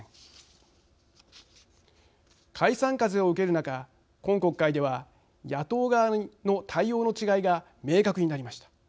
解散風を受ける中今国会では野党側の対応の違いが明確になりました。